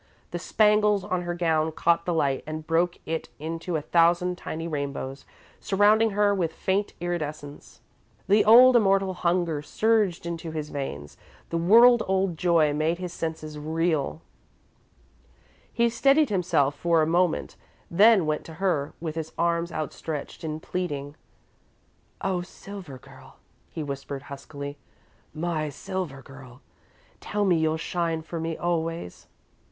The spangles on her gown caught the light and broke it into a thousand tiny rainbows, surrounding her with faint iridescence. The old, immortal hunger surged into his veins, the world old joy made his senses reel. He steadied himself for a moment, then went to her, with his arms outstretched in pleading. "Oh, Silver Girl," he whispered, huskily. "My Silver Girl! Tell me you'll shine for me always!" [Illustration: musical notation.